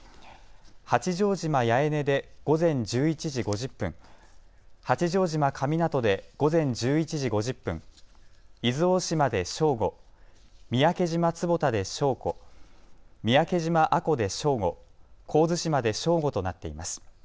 八丈島八重根で午前１１時５０分、八丈島神湊で午前１１時５０分、伊豆大島で正午、三宅島坪田で正午、三宅島阿古で正午、神津島で正午となっています。